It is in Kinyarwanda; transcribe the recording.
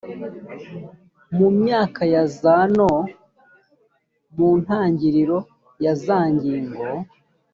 mu myaka ya za no mu ntangiriro ya za ngingo